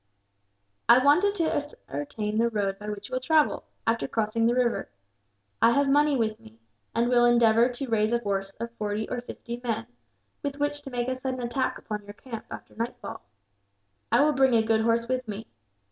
"I wanted to ascertain the road by which you will travel, after crossing the river. I have money with me, and will endeavour to raise a force of forty or fifty men; with which to make a sudden attack upon your camp, after nightfall. I will bring a good horse with me.